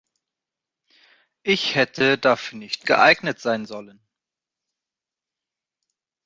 Ich hätte dafür nicht geeignet sein sollen.